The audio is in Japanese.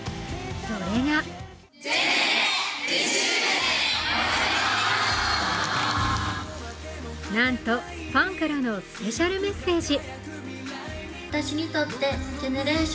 それがなんと、ファンからのスペシャルメッセージ。